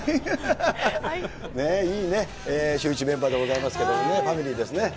いいね、シューイチメンバーでございますけどね、ファミリーですね。